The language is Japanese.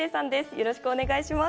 よろしくお願いします。